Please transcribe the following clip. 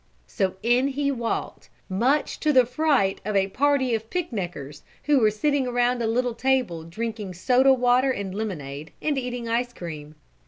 So in he walked, much to the fright of a party of picnickers, who were sitting around a little table drinking soda water and lemonade, and eating ice cream.